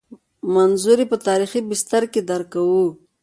منظور یې په تاریخي بستر کې درک کوو.